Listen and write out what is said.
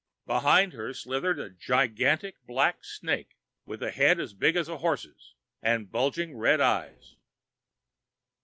Behind her slithered a gigantic black snake, with a head as big as a horse's, and bulging red eyes.